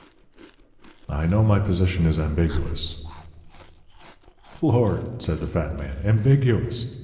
"I know my position is ambiguous." "Lord!" said the fat man, "ambiguous!